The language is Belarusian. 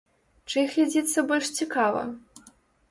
Чый глядзіцца больш цікава?